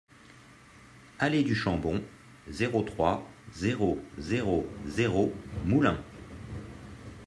Allée du Chambon, zéro trois, zéro zéro zéro Moulins